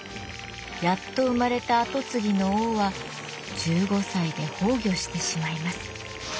やっと生まれた跡継ぎの王は１５歳で崩御してしまいます。